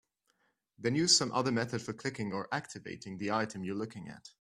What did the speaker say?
Then use some other method for clicking or "activating" the item you're looking at.